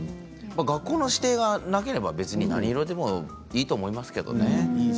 学校の指定がなければ別に何色でもいいと思いますけどね。